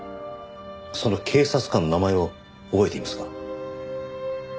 その警察官の名前を覚えていますか？